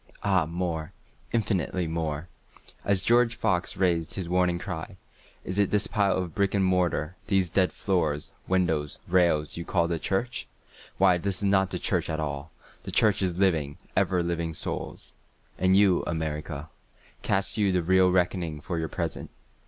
Ah more—infinitely more;(As George Fox rais'd his warning cry, "Is it this pile of brick and mortar—these dead floors, windows, rails—you call the church? Why this is not the church at all—the Church is living, ever living Souls.")And you, America, Cast you the real reckoning for your present?